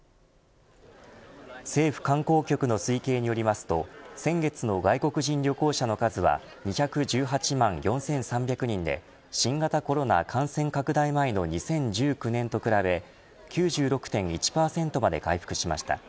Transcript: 政府観光局の推計によりますと先月の外国人旅行者の数は２１８万４３００人で新型コロナ感染拡大前の２０１９年と比べ９６．１％まで回復しました。